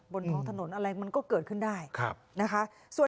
บนท้องถนนอะไรมันก็เกิดขึ้นได้นะคะ